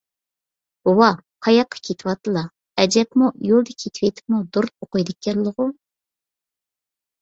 بوۋا، قاياققا كېتىۋاتىدىلا؟ ئەجەب يولدا كېتىۋېتىپمۇ دۇرۇت ئوقۇيدىكەنلىغۇ؟